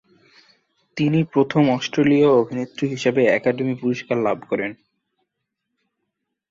তিনি প্রথম অস্ট্রেলীয় অভিনেত্রী হিসেবে একাডেমি পুরস্কার লাভ করেন।